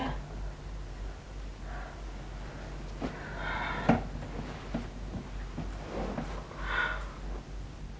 sekarang bobol lagi ya